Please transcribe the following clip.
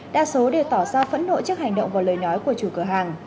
đa số đều tỏ ra phẫn nộ trước hành động và lời nói của chủ cửa hàng